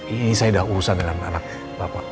ini saya sudah urusan dengan anak bapak